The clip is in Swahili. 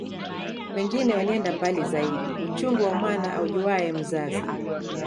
Wengine walienda mbali zaidi uchungu wa mwana aujuae mzazi